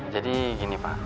jadi gini pak